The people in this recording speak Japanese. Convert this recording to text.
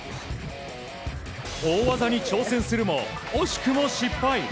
大技に挑戦するも、惜しくも失敗。